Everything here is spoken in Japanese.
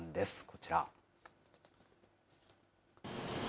こちら。